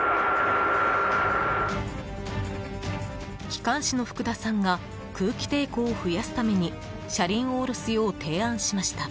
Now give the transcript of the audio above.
機関士の福田さんが空気抵抗を増やすために車輪を下ろすよう提案しました。